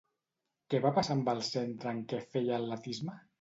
Què va passar amb el centre en què feia atletisme?